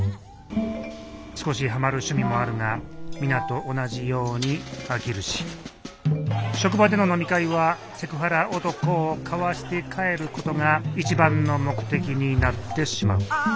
少しハマる趣味もあるが皆と同じように飽きるし職場での飲み会はセクハラ男をかわして帰ることが一番の目的になってしまうああ